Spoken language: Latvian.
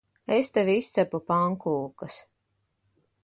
Es tev izcepu pankūkas.